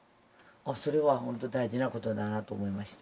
それは本当に大事なことだなと思いまして。